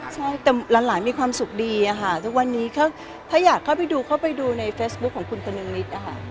แต่ละหลายมีความสุขดีถ้าอยากเข้าไปดูเข้าไปดูในเฟสบุ๊คของคุณคนนึงนิด